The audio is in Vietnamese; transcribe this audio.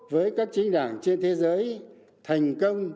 với các chính đảng trên thế giới thành công